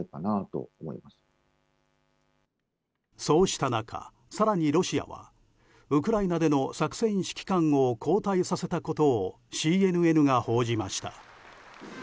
そうした中、更にロシアはウクライナでの作戦指揮官を交代させたことをＣＮＮが報じました。